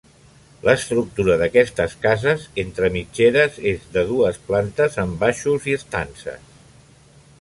L'estructura d'aquestes cases entre mitgeres és de dues plantes amb baixos i estances.